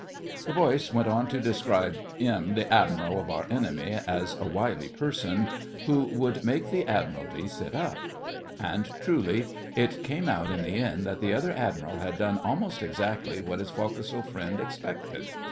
The voice went on to describe ''im,' the Admiral of our enemy—as a wily person, who would make the Admiralty sit up. And truly, it came out in the end that the other Admiral had done almost exactly what his foc'sle friends expected.